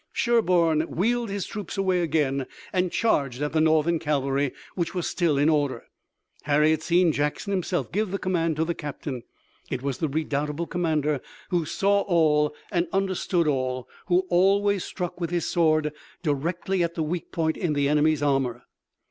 Sherburne wheeled his troop away again and charged at the Northern cavalry, which was still in order. Harry had seen Jackson himself give the command to the captain. It was the redoubtable commander who saw all and understood all, who always struck, with his sword directly at the weak point in the enemy's armor.